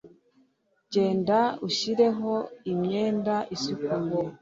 Genda ushireho imyenda isukuye.